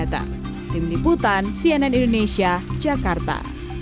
tim liputan cnn indonesia jakarta